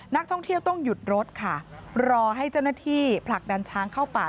นักท่องเที่ยวต้องหยุดรถค่ะรอให้เจ้าหน้าที่ผลักดันช้างเข้าป่า